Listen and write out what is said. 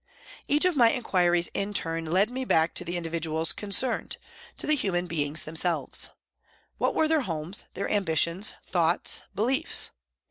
Each of my inquiries in turn led me back to the individuals concerned, to the human beings them selves. What were their homes, their ambitions, thoughts, beliefs